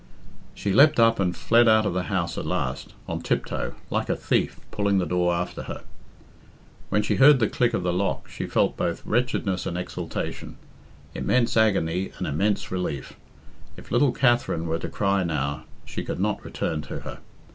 She leapt up and fled out of the house at last, on tiptoe, like a thief, pulling the door after her. When she heard the click of the lock she felt both wretchedness and exultation immense agony and immense relief. If little Katherine were to cry now, she could not return to her.